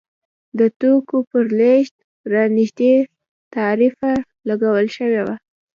د توکو پر لېږد رالېږد تعرفه لګول شوې وه.